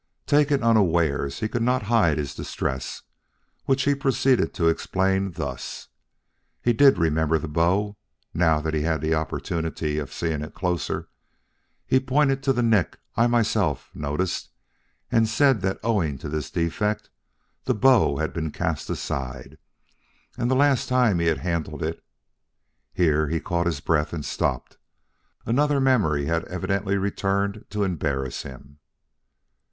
Taken unawares, he could not hide his distress, which he proceeded to explain thus: He did remember the bow, now that he had the opportunity of seeing it closer. He pointed to the nick I had myself noticed and said that owing to this defect the bow had been cast aside, and the last time he had handled it Here he caught his breath and stopped. Another memory had evidently returned to embarrass him."